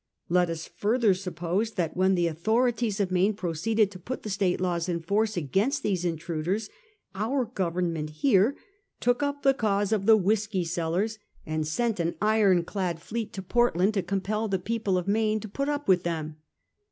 Let us further suppose that when the authorities of Maine proceeded to put the State laws in force against these intruders, our Government here took up the cause of the whisky sellers, and sent an 1T2 A HISTORY OF OUR OWN TIMES. ch. Tm. ironclad fleet to Portland to compel the people of Maine to put up with them.